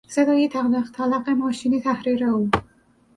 صدای تلق تلق ماشین تحریر او